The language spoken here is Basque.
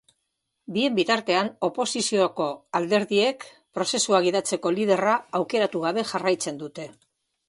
Bien bitartean, oposizioko alderdiek prozesua gidatzeko liderra aukeratu gabe jarraitzen dute.